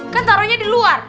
kan taruhnya di luar